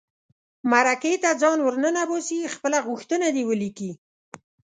مرکې ته ځان ور ننباسي خپله غوښتنه دې ولیکي.